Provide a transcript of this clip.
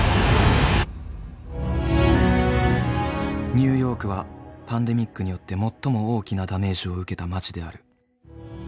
ニューヨークはパンデミックによって最も大きなダメージを受けた街である。